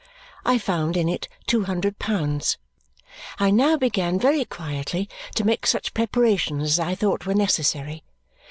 I found in it two hundred pounds. I now began very quietly to make such preparations as I thought were necessary.